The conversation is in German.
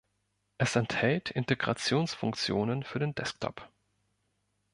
Es enthält Integrationsfunktionen für den Desktop.